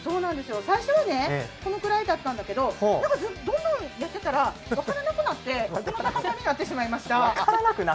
最初はこのくらいだったんだけど、どんどん、やってたら分からなくなって、この高さになってしまいました。